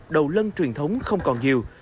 đầu lăng truyền thống không còn nhiều